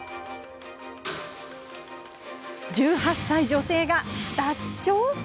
１８歳女性が脱腸！？